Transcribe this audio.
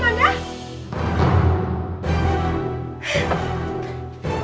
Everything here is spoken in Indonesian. amanda amanda bangun amanda